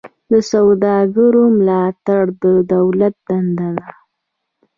د سوداګرو ملاتړ د دولت دنده ده